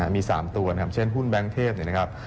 มี๓ตัวกันเช่นถุงหุ้นแบงเทพ